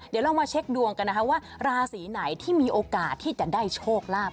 ดูกดวงกันนะว่าราศีไหนที่มีโอกาสที่จะได้โชคลาบ